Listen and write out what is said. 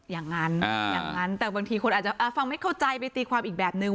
อย่างนั้นอย่างนั้นแต่บางทีคนอาจจะฟังไม่เข้าใจไปตีความอีกแบบนึง